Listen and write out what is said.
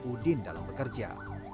udin dalam bekerja